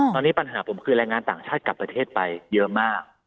ตอนนี้ปัญหาผมคือแรงงานต่างชาติกลับประเทศไปเยอะมาก